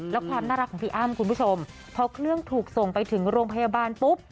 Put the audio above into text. แล้วความน่ารักของพี่อ้ำคุณผู้ชมพอเครื่องถูกส่งไปถึงโรงพยาบาลปุ๊บ